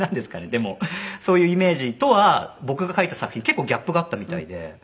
でもそういうイメージとは僕が書いた作品結構ギャップがあったみたいで。